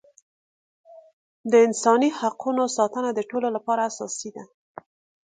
د انساني حقونو ساتنه د ټولو لپاره اساسي ده.